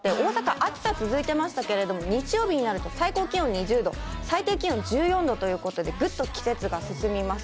暑さ続いてましたけれども、日曜日になると最高気温２０度、最低気温１４度ということで、ぐっと季節が進みます。